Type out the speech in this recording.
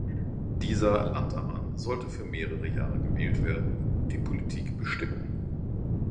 Dieser Landammann sollte für mehrere Jahre gewählt werden und die Politik bestimmen.